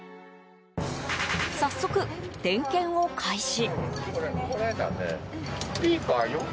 早速、点検を開始。